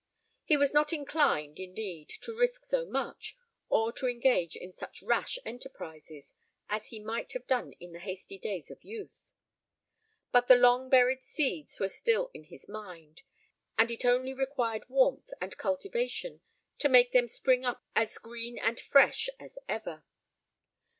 He was not inclined, indeed, to risk so much, or to engage in such rash enterprises, as he might have done in the hasty days of youth; but the long buried seeds were still in his mind, and it only required warmth and cultivation to make them spring up as green and fresh as ever.